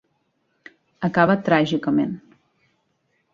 Acaba tràgicament.